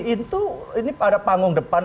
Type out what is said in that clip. itu ini pada panggung depan